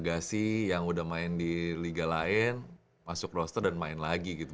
agasi yang udah main di liga lain masuk roster dan main lagi gitu